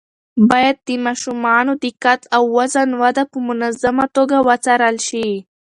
باید د ماشومانو د قد او وزن وده په منظمه توګه وڅارل شي.